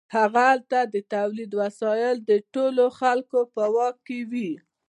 هلته د تولید وسایل د ټولو خلکو په واک کې وي.